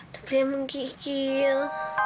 tapi dia menggigil